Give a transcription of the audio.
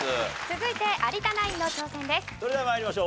続いて有田ナインの挑戦です。